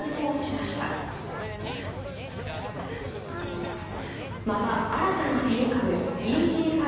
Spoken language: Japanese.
また新たな変異株ＥＧ．５